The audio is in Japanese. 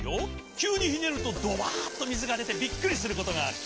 きゅうにひねるとドバっとみずがでてびっくりすることがある。